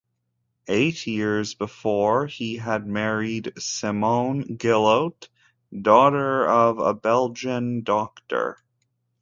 Eight years before he had married Simonne Gillot, daughter of a Belgian doctor.